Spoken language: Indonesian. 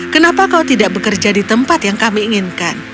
kenapa kau tidak bekerja di tempat yang kami inginkan